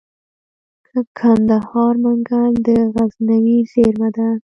د کندهار منگل د غزنوي زیرمه ده